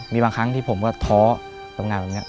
มีบางครั้งที่ผมก็ท้อทำงานแบบนี้